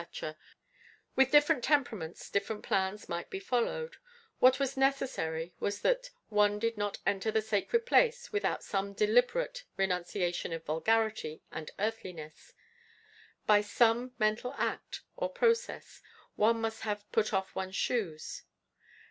_ With different temperaments different plans might be followed: what was necessary was that one did not enter the sacred place without some deliberate renunciation of vulgarity and earthliness: by some mental act, or process, one must have 'put off one's shoes.'